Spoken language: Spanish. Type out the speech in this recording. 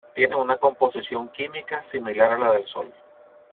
Tiene una composición química similar a la del Sol.